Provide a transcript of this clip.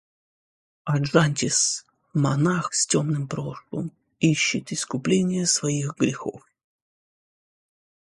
Аджантис, монах с тёмным прошлым, ищет искупления своих грехов.